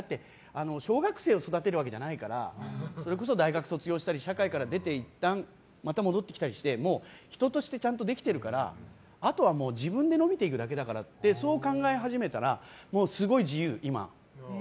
小学生を育てるわけじゃないからそれこそ大学卒業したり社会から出て、いったんまた戻ってきたりしてもう、人としてちゃんとできてるからあとは自分で伸びていくだけだからってそう考え始めたらすごい自由、今。